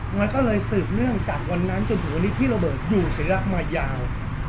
มันก็เลยสืบเนื่องจากวันนั้นจนถึงวันนี้พี่โรเบิร์ตอยู่ศิลักษ์มายาว